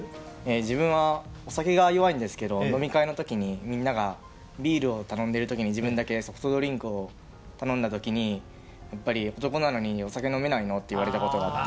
自分はお酒が弱いんですけど飲み会の時にみんながビールを頼んでいる時に自分だけソフトドリンクを頼んだ時にやっぱり「男なのにお酒飲めないの？」って言われたことがあって。